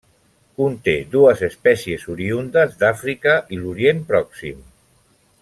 Conté dues espècies oriündes d'Àfrica i l'Orient Pròxim.